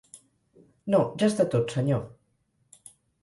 No, ja està tot, senyor.